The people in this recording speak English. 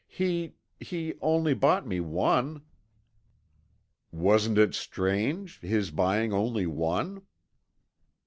He he only bought me one." "Wasn't it strange his buying only one?"